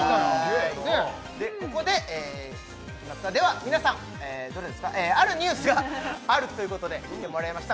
ここででは皆さんあるニュースがあるということで来てもらいました